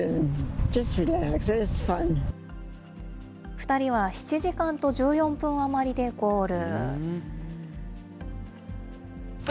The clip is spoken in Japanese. ２人は７時間と１４分余りでゴール。